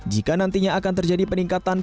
jika nantinya akan terjadi peningkatan